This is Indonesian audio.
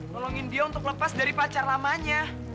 tolongin dia untuk lepas dari pacar lamanya